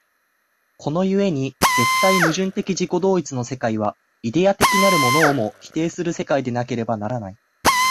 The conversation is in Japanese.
この故に絶対矛盾的自己同一の世界は、イデヤ的なるものをも否定する世界でなければならない。